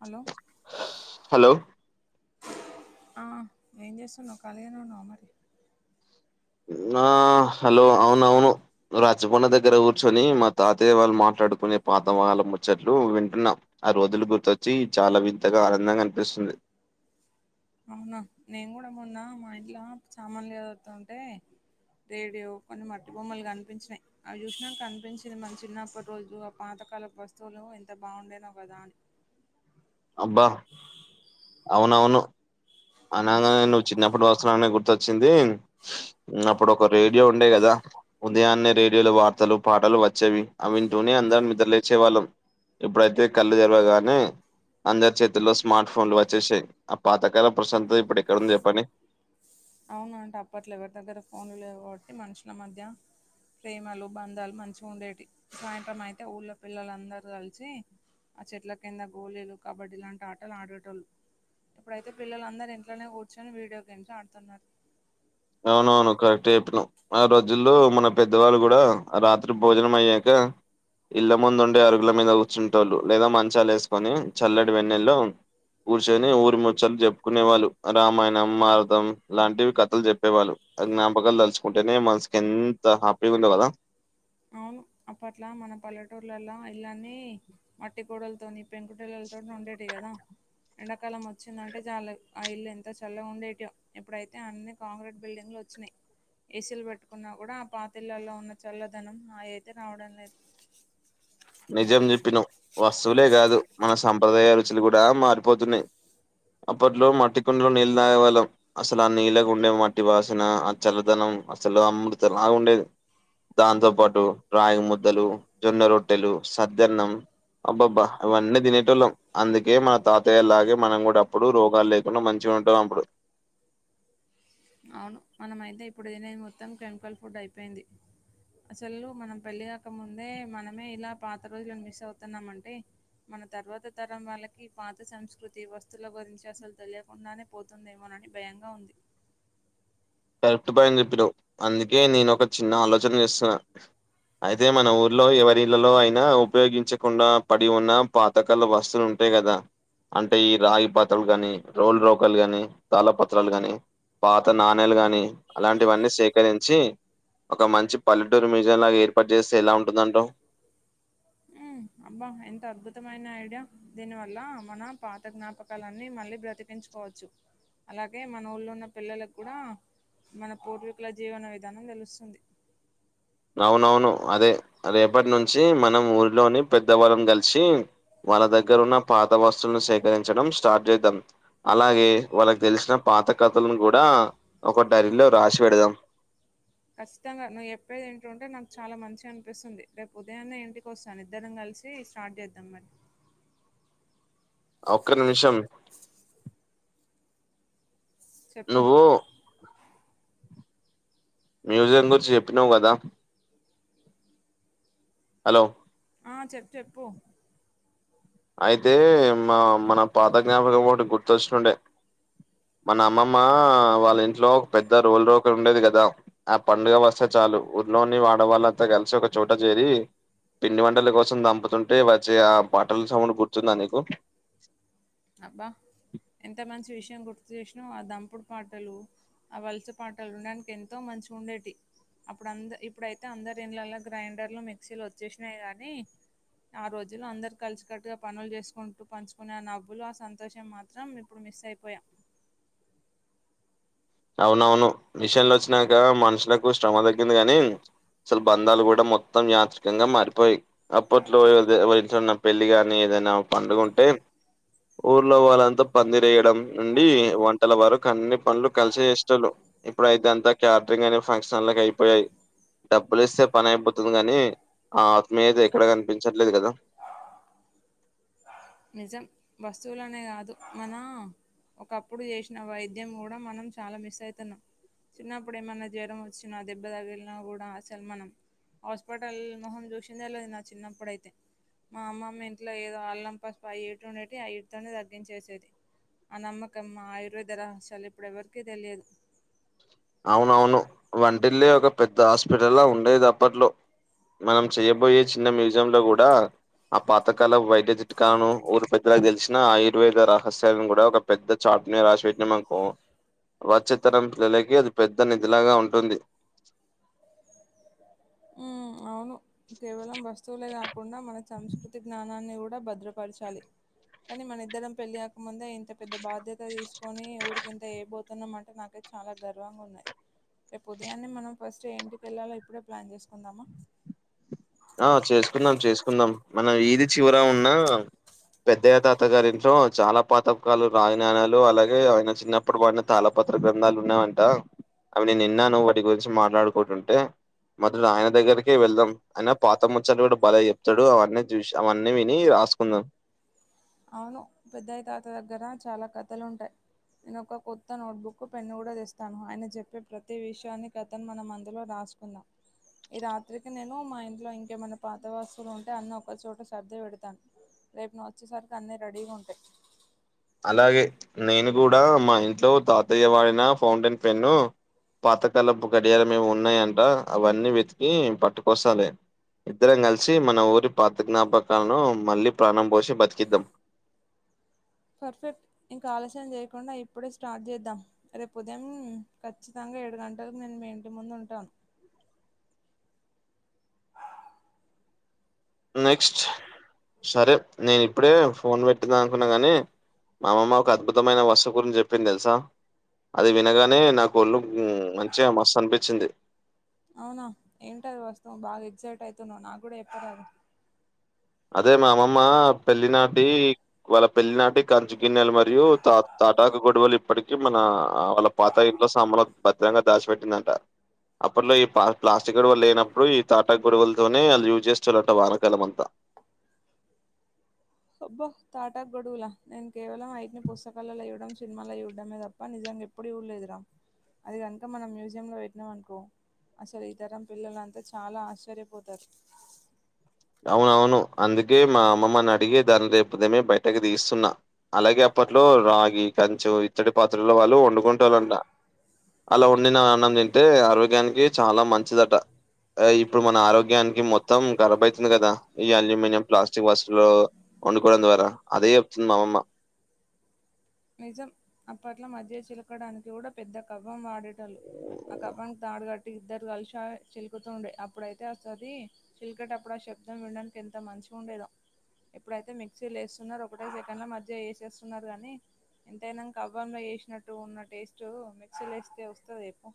Hello hello ఆ ఏం చేస్తునవ్ ఖాళీగనే ఉన్నావ మరి నా హలో అవునవును రచ్చబండ దగ్గర కూర్చొని మా తాతయ్య వాళ్ళు మాట్లాడుకునే పాతం వాళం ముచ్చట్లు వింటున్నాం ఆ రోజులు గుర్తొచ్చి చాల వింతగ ఆనందంగా అనిపిస్తుంది అవున నేను కూడ మొన్నా మా ఇంట్ల చామన్లు చదురుతుంటే రేడియో కొన్ని మట్టి బొమ్మలు కనిపించినయి అవి చూసినంక అనిపించింది మన చిన్నప్పటి రోజులు ఆ పాత కాల వస్తువులు ఎంత బాగుండేనో కదా అని అబ్బ అవునవును అనగానే నువ్వు చిన్నప్పుడు వస్తువు అనే గుర్తొచ్చింది అప్పుడు ఒక రేడియో ఉండే కద ఉదయాన్నే రేడియోలు వార్తలు పాటలు వచ్చేవి అవి వింటూనే అందరం నిద్రలేచేవాళ్ళం ఇప్పుడైతే కళ్ళు తెరవగానే అందరి చేతుల్లో స్మార్ట్ ఫోన్లు వచ్చేసాయ్ ఆ పాతకాలం ప్రశాంత ఇప్పుడెక్కడుంది చెప్పండి అవునవును అప్పట్లో ఎవరి దగ్గర ఫోన్లు లేవు కాబట్టి మనుషుల మధ్య ప్రేమలు, బంధాలు మంచిగుండేటియ్ సాయంత్రం అయితే ఊళ్ల పిల్లలందరు కలిసి ఆ చెట్ల కింద గోళీలు కబడ్డీ లాంటి ఆటలు ఆడేటోళ్ళు ఇప్పుడైతె పిల్లల అందరు ఇంట్లనే కూర్చొని వీడియో గేమ్స్ ఆడుతున్నరు అవునవును కరెక్టే చెప్పినవ్ ఆ రోజుల్లో మన పెద్దవాళ్ళు కూడ రాత్రి భోజనం అయ్యాక అ ఇళ్ల ముందు ఉండే అరుగుల మీద కూర్చునింటోళ్ళు లేదా మంచాలు వేసుకొని చల్లడి వెన్నెల్లో కూర్చొని ఊరి ముచ్చట్లు చెప్పుకునే వాళ్ళు రామాయణం మారతం లాంటివి కథలు చెప్ ప్పే వాళ్ళు ఆ జ్ఞాపకాలు తలుచుకుంటేనె మనసుకి ఎంత హ్యాపీగ ఉందో కద అవును అప్పట్ల మన పల్లెటూర్లల ఇల్లన్నీ మట్టి గోడలతోని పెంకుటిల్లల తోని ఉండేటి కదా ఎండకాలం వచ్చిందంటె చాలు ఆ ఇల్లు ఎంత చల్ల ఉండేటియో ఇప్పుడైతే అన్ని కాంక్రీట్ బిల్డింగ్లు వచ్చినయి ఏసీలు పెట్టుకున్నా కూడ ఆ పాతళ్లలో ఉన్న చల్లదనం మాయ్ అయితె రావడం లేదు నిజం చెప్పినవ్ వస్తువులే కాదు మన సంప్రదాయ రుచులు కూడా మారిపోతున్నయి అప్పట్లో మట్టి కుండలో నీళ్ళతగే వాళ్ళం అసలు ఆ నీళ్ళకుండే మట్టి వాసిన ఆ చల్లదనం అసలు అమృతంల ఉండేది దాంతో పాటు రాగి ముద్దలు జొన్న రొట ట్టెలు సద్దన్నం అబ్బబ్బా అవన్నీ తినేటోళ్ళం అందుకే మన తాతయ్యలాగే మనం కూడా అప్పుడు రోగాలు లేకుండా మంచి ఉంటాం అప్పుడు [inaudible] అవును మనమైతే ఇప్పుడు తినది మొత్తం కెమికల్ ఫుడ్ అయిపోయింది అసలు మనం పెళ్ళి కాక ముందే మనమే ఇలా పాత రోజులు మిస్ అవుతున్నామంటే మన తర్వాత తరం వాళ్ళకి పాత సంస్కృతి వస్తువుల గురించి అసలు తెలియకుండానే పోతుందేమో నా అని భయంగా ఉంది కరెక్ట్ పాయింట్ చెప్పినవ్ అందుకే నేను ఒక చిన్న ఆలోచన చేస్తున్నా అయితే మన ఊర్లో ఎవరిళ్లలో అయినా ఉపయోగించకుండా పడి ఉన్న పాతకాల వస్తులు ఉం టయి కదా అంటే ఈ రాగి పాత్రలుకగాని రోలు రోకలు గాని తల పత్రాలు గాని పాత నా నాలు గాని అలాంటివన్నీ సేకరించి ఒక మంచి పల్లెటూరు మ్యూజియం లాగా ఏర్పాటు చేస్తే ఎలా ఉంటుందంటవ్ మ్ అబ్బా ఎంత అద్భుతమైన ఐడియా దీని వల్ల మన పాత జ్ఞాపకాలన్నీ మళ్ళీ బ్రతికించు కోవచ్చు అలాగే మన ఊళ్ళో ఉన్న పిల్లలకు కూడా మన పూర్వీకుల జీవన విధానం తెలుస్తుంది అవునవును అదే రేపటి నుంచి మనం ఊరిలోని పెద్దవాళ్ళను కలిసి వాళ్ళ దగ్గర ఉన్న పాత వస్తువులను సేకరించడం స్టార్ట్ చేద్దాం అలాగే వాళ్ళకి తెలిసిన పాత కథలను కూడా ఒక డైరిలో రాసి పెడుదాం ఖచ్చితంగా నువ్వు చేప్పేది వింటుంటే నాకు చాలా మంచి అనిపిస్తుంది రేపు ఉదయాన్నే ఇంటికోస్తాను ఇద్దరం కలిసి స్టార్ట్ చేద్దాం మరి ఒక్క నిమిషం చెప్పు నువ్వు మ్యూజియం గురించి చెప్పినవ్ కదా హలో ఆ చెప్పు చెప్పు అయితే మా మన పాత జ్ఞాపకం ఒకటి గుర్తొచ్చుండే మన అమ్మమ్మ వాళ్ళ ఇంట్లో ఒక పెద్ద రోలు రోకలు ఉండేది కదా ఆ పండుగ వస్తే చ చాలు ఊర్లోని ఆడవాళ్ళంతా కలిసి ఒక చోట చేరి పిండి వంటల కోసం దంపుతుంటే వచ్చి ఆ బట్టల్ సౌండ్ గుర్తుంద నికు అబ్బా ఎంత మంచి విషయం గుర్తు చేసినా ఆ దంపుడు పాటలు ఆ వలస పాటలు వినడానికి ఎంతో మంచిగా ఉండేటివి అప్పుడు అంద ఇప్పుడైతే అందరు ఇండ్లల్ల గ్రైండర్లు మిక్సీలు వచ్చేసినాయి గానీ ఆ రోజుళ్ళో అందరు కలిసి కట్టుగా పనులు చేసుకుంటూ పంచుకునేన వ్వులు ఆ సంతోషం మాత్రం ఇప్పుడు మిస్ అయిపోయాం అవునవును మిషన్లు వచ్చినంక మనుషులకు శ్రమ తగ్గింది గాని అసలు బంధాలు కూడా మొత్తం యాత్రికంగా మారిపోయి అప్పట్లోన్న వే పెళ్లి కాని ఏదైనా పండుగుంటే ఊర్లో వాళ్ళంతా పందిరేయడం నుండి వంటల వారకు అన్ని పనులు కలిసే చేస్తోల్లం ఇప్పుడు అయితే అంతా క్యాడరింగ్ అనే ఫంక్షన్ హల్లక్ అయిపోయాయి డబ్బులీస్తే పని అయిపోతుంది గాని ఆ ఆత్మీయత ఎక్కడ కనిపించట్లేదు కదా నిజం వస్తువులనే కాదు మన ఒకప్పుడు చేసిన వైద్యం కూడా మనం చాలా మిస్ అయితున్నాం. చిన్నప్పుడు ఏమన్నా జ్వరం వచ్చినా దెబ్బ తగిలిన కూడా అసలు మనం. హాస్పిటల్ మొహం చూసిందే లేదు నా చిన్నప్పుడైతే మా అమ్మమ్మ ఇంట్లో ఏదో అల్లం పసుపు. వై యు ట్రినిటీ అయిట్తోనే తగ్గించేసేది. ఆ నమ్మకము ఆయుర్వేద రహస్యాలు ఇప్పుడుఎవ్వరికీ తెలిదు. అవునవును వంటిల్లే ఒక పెద్ద హాస్పిటల్ ఉండేది అప్పట్లో. మనం చెయబోయే చిన్న మ్యూజియం లో కూడా. ఆ పాతకాల వైద్య చిట్కాను ఊరు పెద్దలకి తెలిసిన ఆయుర్వేద రహస్యాలను కూడా ఒక పెద్ద చాటు. అట్నే రాసి పెట్టిన అనుకో వచ్చేతరం. పిల్లలకి అది పెద్ద నిధిలాగా ఉంటుంది. అవును కేవలం వస్తువులే కాకుండా మన. సంస్కృతి జ్ఞానాన్ని కూడా భద్రపరచాలి. కానీ మన ఇద్దరం పెళ్ళికాక ముందే ఇంత పెద్ద బాధ్యత తీసుకొని ఊరికి ఇంత చేయబోతున్నాంమంటే నాకైతే. చాలా గర్వంగా ఉన్నాయి రేపు ఉదయాన్నే మనం ఫస్ట్ ఏ ఇంటికి వెళ్ళాలో ఇప్పుడే ప్లాన్ చేసుకుందామా. ఆహ్ చేసుకుందాం చేసుకుందాం మన వీది చివర ఉన్నా. పెద్దయ్య తాత గారింట్లో చాలా పాత కాలపు రాజనాణ్యాలు అలాగే ఆయన చిన్నప్పడు వాడిన తాళపత్ర. పాత్ర గ్రంథాలు ఉన్నాయంట. అవి నేను నిన్న నువ్వు వాటి గురించి మాట్లాడుకుంటుంటే మొదలు ఆయన దగ్గరికే వెళ్దాం. అయినా పాత ముచ్చాట్లు కూడా బలే చెప్తాడు అవన్నీ చూసి అవన్నీ విని రాసుకుందాం. అవును పెద్దయ్య తాత దగ్గర చాలా కథలుంటాయి. నేను ఒక కొత్త నోట్బుక్ పెన్ను కూడా తెస్తాను ఆయన చెప్పే ప్రతి విషయాన్ని కథను మనం అందులో రా. రాసుకుందాం. ఈ రాత్రికి నేను మా ఇంట్లో ఇంకేమైనా పాత వస్తువులు ఉంటే అన్ని ఒకచోట సర్ది పెడతాను. రేపు నువ్వు వచ్చేసరికి అన్నీ రెడీగా ఉంటాయి. అలాగే నేను కూడా మా ఇంట్లో తాతయ్య వాడిన ఫౌంటైన్ పెన్ను. పాతకాలపు గడియారం ఏమో ఉన్నాయంట అవన్నీ వెతికి పట్టుకొస్తాలే. ఇద్దరం కలిసి మన ఊరి పాత జ్ఞాపకాలను మళ్ళీ ప్రాణం పోసి బతికిద్దాం. పర్ఫెక్ట్ ఇంకా ఆలస్యం చేయకుండా ఇప్పుడే స్టార్ట్ చేద్దాం రేపు ఉదయం ఖచ్చితంగా. ఏడు గంటలకు నేను మీ ఇంటి ముందు ఉంటాను. నెక్స్ట్ సరే నేను ఇప్పుడే ఫోన్ పెట్టుకుందాం అనుకున్నా గాని. మా అమ్మ ఒక అద్భుతమైన వస్తువు గురించి చెప్పింది తెలుసా. అది వినగానే నాకు ఒళ్ళు ఉమ్ మంచిగా మస్త్ అనిపించింది. అవునా ఏంటాది వస్తువు బాగా ఎగ్జైట్ అవుతున్నావు నాకు కూడా చెప్పారాదు. అదే మా అమ్మమ్మ పెళ్లి నాటి వాళ్ళ పెళ్లి నాటి కంచు గిన్నెలు మరియు తాత. పటాకు కడవలు ఇప్పటిక మన వాళ్ళ పాత ఇనుప సామాన్ లో భద్రంగా దాచిపెట్టిందంట. అప్పట్లో ఈ పా ప్లాస్టిక్ గొడవలు లేనప్పుడు ఈ తాటా గొడవలతోనే అది యజ్ చేస్తరంట వానాకాలంతా. అబ్బ తాటాక్ గొడువులా నేను కేవలం అవిటిని పుస్తకాలలో చూడడం సినిమాలో చూడడం తప్ప నిజం. అది నేను ఎప్పుడు చూడలేదురా అది కనుక మనం మ్యూజియంలో పెట్టినం అనుకో. అసలు ఈ తరం పిల్లలంతా చాలా ఆశ్చర్యపోతారు అవునవును అందుకే మా అమ్మమ్మని అడిగే దాని రేపు ఉదమే బయటకి తీస్తున్నా అలాగే. అప్పట్లో రాగి కంచు ఇత్తడి పాత్రలో వాళ్ళు వండుకుంటారంట. అలా వండిన అన్నం తింటే ఆరోగ్యానికి చాలా మంచిదట. ఇప్పుడు మన ఆరోగ్యానికి మొత్తం ఖరాబైతు. అవుతున్నాయి కదా ఈ అల్యూమినియం ప్లాస్టిక్ వస్తుల్లో వండుకోవడం ద్వారా అదే చెప్తుంది మాఅమ్మమ్మ. నిజం అప్పట్లో మధ్య చిలకడానికి గుడా పెద్ద కవ్వం వాడే తలు ఆ కవ్వంకి తాడు క ఇద్దరు కలిసా చిలుకుతూ ఉండే అప్పుడైతే అది చిలికేటప్పుడు ఆ శబ్దం వినడానికి ఎంత మంచి గుండేదో ఇప్పుడైతే మిక్సీ లేస్తున్నారు ఒకటే సెకండ్ల మధ్య ఏసేస్తున్నారు గనీ ఎంతైనా కవ్వంల చేసినట్టు ఉన్న టేస్ట్ మిక్సీలో ఏస్తే వస్తద చెప్పు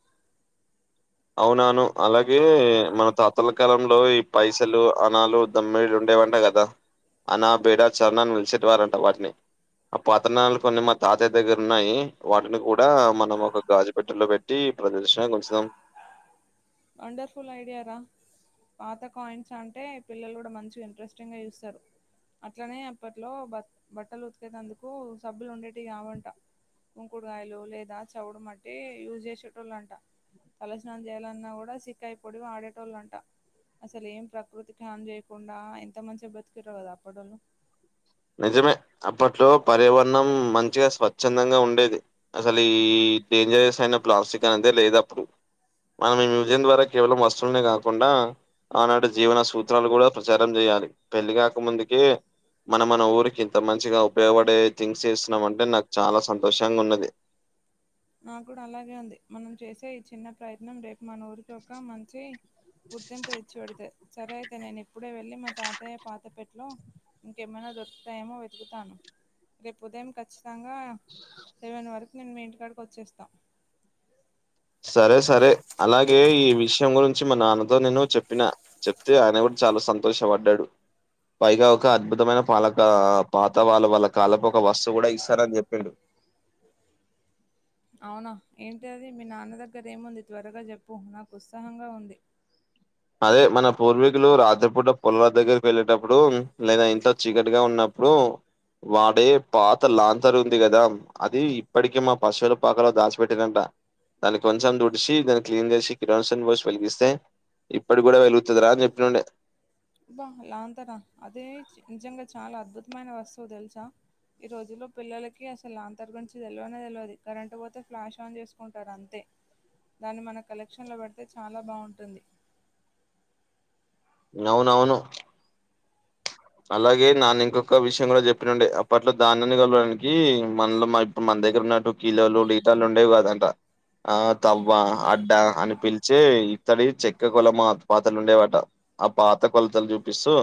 అవునాను అలాగే మన తాతల కాలంలో ఈ పైసలు అనాలు దమ్మిళ్ళలుండే లుండే కదా అనా బీడ చరణన్ పిలిచే వారంట వాటిని ఆ పతనాలు కొన్ని మా తాతయ్య దగ్గరున్నాయి వాటిని కూడా మనం ఒక గాజుపెట్టలో పెట్టి ఈ ప్రదర్శనే కొంచం వండర్ఫుల్ ఐడియారా పాత కాయింట్స్ అంటే పిల్లల్ గుడా మంచిగ ఇంట్రెస్టింగ చూస్తరు. అట్లనే అప్పట్లో బ బట్టల్ ఉతికేతందుకు సబ్బులుండేటియి కావంట కుంకుడుగాయలు లేదా చవుడు మట్టి యూజ్ చేసేటోలంట తలస్నానం చేయాలన్నా గుడ ఉసిరి కాయ్ పొడి వాడేటోల్లంటా అసల్ ఏం ప్రకృతికి హాన్ చేయకుండా ఎంత మంచిగ బతుకేటోరో కదా అప్పటోళ్ళు నిజమే అప్పట్లో పర్యావరణం మంచిగ స్వచ్ఛందంగా ఉండేది అసలీ ఈ డేంజరయస్ అయిన ప్లాస్టిక్ అనేదే లేదప్పుడు మనం ఈ మ్యూజియం ద్వారా కేవలం వస్తుల్నే కాకుండా ఆనాటి జీవన సూత్రాలు కూడా ప్రచారం చేయాలి పెళ్లి కాక ముందుకే మనం మన ఊరికి ఇంత మంచిగా ఉపయోగపడే థింగ్స్ చేస్తున్నాం అంటే నాక్ చాలా సంతోషంగా ఉన్నది. నాక్ కూడా అలాగే ఉంది మనం చేసే ఈ చిన్న ప్రయత్నం రేప్ మన ఊరికొక మంచి గుర్తింపు తెచ్చి పెడ్తే సరే అయితే నేన్ ఇప్పుడే వెళ్ళి మా తాతయ్య పాత పెట్లో ఇంకేమైనా దొరుకుతాయేమో వెతుకుతాను రేప్ ఉదయం ఖచ్చితంగా లెవెన్ వరకు నేన్ మీ ఇంటికాడికొచ్చేస్తా. సరే సరే అలాగే ఈ విషయం గురించి మా నాన్నతో నేను చెప్పిన చెప్తే ఆయన ఏమో చాలా సంతోషపడ్డడు. పైగా ఒక అద్భుతమైన పాలక ఆ పాత వాళ్ళ వాళ్ళ కాలపు ఒక వస్తువు గుడా ఇస్తారన్ చెప్పిండు. ఇక్కరేముంది త్వరగా చెప్పు నాకు ఉత్సాహంగా ఉంది. అదే మన పూర్వీకులు రాత్రిపూట పొలాల దగ్గరిక్ వెళ్ళేటప్పుడు లేదా ఇంట్లో చీకటిగా ఉన్నప్ ప్పుడు వాడే పాత లాతర్ ఉంది కదా అది ఇప్పటికి మా పశువుల పాకలో దాచిపెట్టిరంట దాన్ని కొంచం దుడిచి దాన్ని క్లీన్ చేసి కిరోసిన్ పోషి వెలిగిస్తే ఇప్పటిక్ గుడా వెలుగుతదిరా అన్ చెప్పినుండే అబ్బ లాంతరా అదే నిజంగా చాలా అద్భుతమైన వస్తువు తెల్సా ఈ రోజుల్లో పిల్లలకి అసల్ లాంతర్ గురించి తెల్వనే తెల్వది కరెంటు పోతే ఫ్లాష్ ఆన్ చేసుకుంటారు అంతే దాన్ని మన కలెక్షన్లో పెడ్తే చాలా బాగుంటుంది. అవునవును అలాగే నాన్న ఇంకొక విషయం గుడా చెప్పినుండే అప్పట్లో ధాన్యాన్ని కొలవడానికి మన్లు మ దగ్గర ఉన్నట్టు కీలోలు, డిటాలు ఉండేవి కాదంట. ఆ తవ్వ, అడ్డ అని పిలిచే ఇత్తడి చెక్క కులమా పాతలుండేవట ఆ పాత కొలతల్ చూపిస్తూ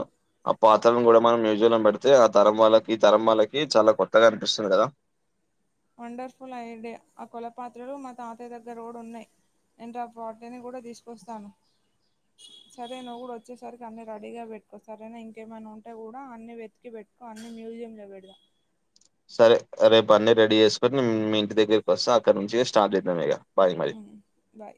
పాత్రను గుడా మనం మ్యూజియంలో పెడ్తే ఆ తరం వాళ్ళకి ఈ తరం వాళ్ళకి చాలా కొత్తగా అనిపిస్తుంది కదా. వండర్ఫుల్ ఐడియ ఆ కోల పాత్రలు మా తాత తయ్య దగ్గర కుడా ఉన్నాయి నేను రేపు వాటికీ కూడా తీసుకొస్తాను సరే నువ్వు కూడా వచ్చేసరికి అన్ని రెడీగా పెట్టుకో సరేనా ఇంకేమైనా ఉంటే కూడా అన్ని వెతికి పెట్ క్కువ అన్ని మ్యూజియం లో పెడుదాం సరే రేపు అన్నీ రెడీ చేసుకొని మీ ఇంటి దగ్గరికి వస్త అక్కడ నుంచి స్టార్ట్ చేద్దామీగ బాయ్ మరి ఉమ్, బాయ్